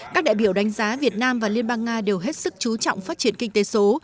các đại biểu đánh giá việt nam và liên bang nga đều hết sức chú trọng phát triển kinh tế số